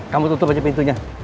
kamu tutup aja pintunya